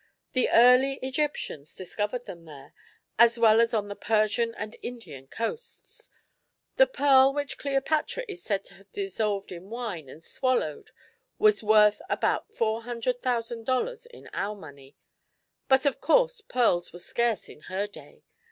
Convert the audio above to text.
The early Egyptians discovered them there, as well as on the Persian and Indian coasts. The pearl which Cleopatra is said to have dissolved in wine and swallowed was worth about four hundred thousand dollars in our money; but of course pearls were scarce in her day.